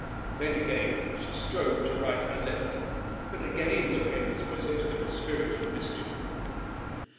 Then again she strove to write her letter, but again the pen was possessed of a spirit of mischief.